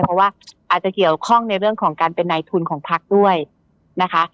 เพราะว่าอาจจะเกี่ยวข้องในเรื่องของการเป็นนายทุนของพักด้วยนะคะ